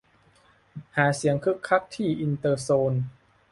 หาเสียงคึกคักที่อินเตอร์โซน